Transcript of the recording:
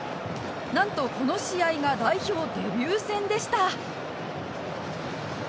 何と、この試合が代表デビュー戦でした。